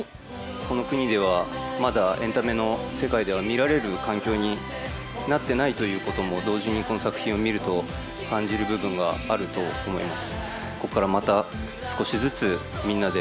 この国では、まだエンタメの世界では見られる環境になってないということも同時にこの作品を見ると感じる部分があると思います。